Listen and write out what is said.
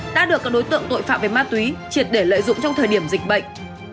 đã được các đối tượng tội phạm về ma túy triệt để lợi dụng trong thời điểm dịch bệnh